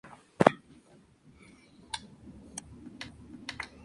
Murió en Tubinga.